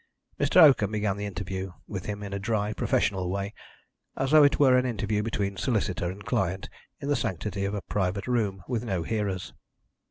Mr. Oakham began the interview with him in a dry professional way, as though it were an interview between solicitor and client in the sanctity of a private room, with no hearers.